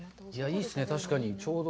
いいっすね、確かに。